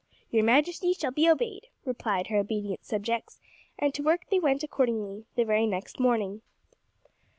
"Your majesty shall be obeyed," replied her obedient subjects, and to work they went accordingly, the very next morning.